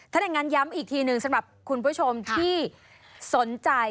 ถ้าอย่างนั้นย้ำอีกทีหนึ่งสำหรับคุณผู้ชมที่สนใจ